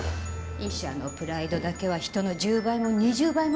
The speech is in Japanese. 医者のプライドだけは人の１０倍も２０倍もあるくせに。